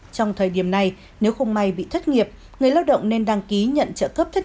trong thời điểm này nếu không may bị thất nghiệp người lao động nên đăng ký nhận trợ cấp thất